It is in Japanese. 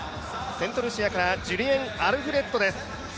セントルシアからジュリエン・アルフレッドです。